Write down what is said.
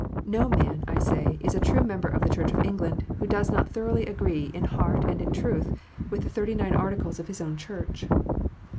No man, I say, is a true member of the Church of England who does not thoroughly agree, in heart and in truth, with the Thirty nine Articles of his own Church.